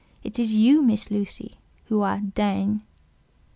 It is you, Miss Lucy, who are 'digne.